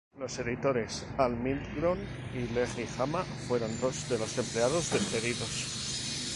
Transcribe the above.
Los editores Al Milgrom y Larry Hama fueron dos de los empleados despedidos.